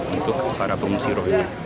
untuk para pengungsi rohingya